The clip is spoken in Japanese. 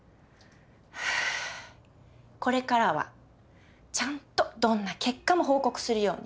これからはちゃんとどんな結果も報告するように。